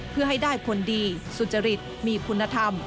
เพื่อให้ได้ผลดีสุจริตมีคุณธรรม